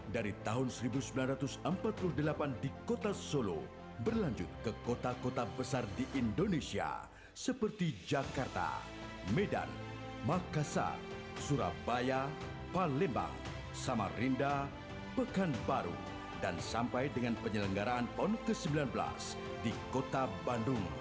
dari tahun seribu sembilan ratus empat puluh delapan di kota solo berlanjut ke kota kota besar di indonesia seperti jakarta medan makassar surabaya palembang samarinda pekanbaru dan sampai dengan penyelenggaraan pon ke sembilan belas di kota bandung